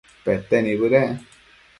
pete nibëdec